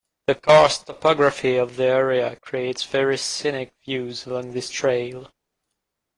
The karst topography of the area creates very scenic views along this trail.